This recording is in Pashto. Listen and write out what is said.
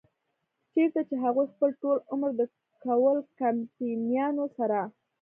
چرته چې هغوي خپل ټول عمر د کول کمپنيانو سره